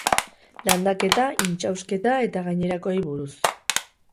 Landaketa, intsausketa eta gainerakoei buruz.